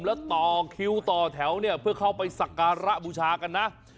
แล้วต่อคิวต่อแถวเนี่ยเพื่อเข้าไปสักการะบูชากันนะ